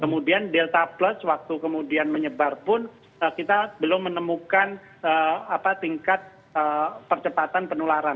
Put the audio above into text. kemudian delta plus waktu kemudian menyebar pun kita belum menemukan tingkat percepatan penularan